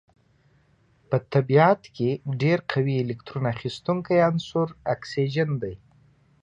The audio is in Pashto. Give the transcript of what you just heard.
په طبیعت کې ډیر قوي الکترون اخیستونکی عنصر اکسیجن دی.